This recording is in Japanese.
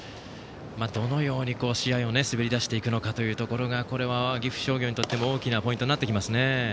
どのように試合を滑り出していくか岐阜商業にとっても大きなポイントになってきますね。